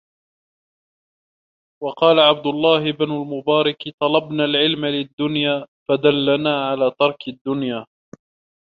وَقَالَ عَبْدُ اللَّهِ بْنُ الْمُبَارَكِ طَلَبْنَا الْعِلْمَ لِلدُّنْيَا فَدَلَّنَا عَلَى تَرْكِ الدُّنْيَا